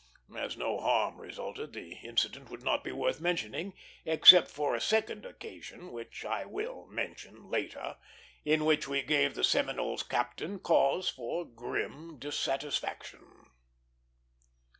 As no harm resulted, the incident would not be worth mentioning except for a second occasion, which I will mention later, in which we gave the Seminole's captain cause for grim dissatisfaction.